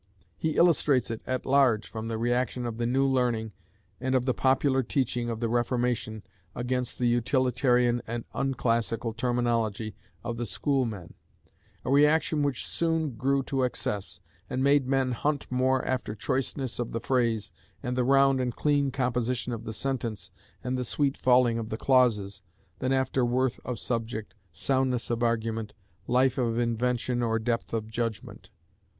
He illustrates it at large from the reaction of the new learning and of the popular teaching of the Reformation against the utilitarian and unclassical terminology of the schoolmen; a reaction which soon grew to excess, and made men "hunt more after choiceness of the phrase, and the round and clean composition of the sentence, and the sweet falling of the clauses," than after worth of subject, soundness of argument, "life of invention or depth of judgment."